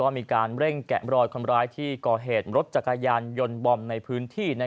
มีการเร่งแกะรอยคนร้ายที่ก่อเหตุรถจักรยานยนต์บอมในพื้นที่